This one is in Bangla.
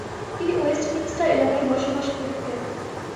তিনি ওয়েস্টমিনস্টার এলাকায় বসবাস করতেন।